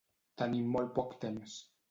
Tenim molt poc temps.